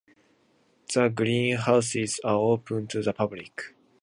The greenhouses are open to the public.